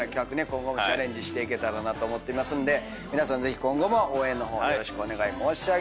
今後もチャレンジしていけたらと思ってますんで皆さんぜひ今後も応援の方よろしくお願い申し上げます。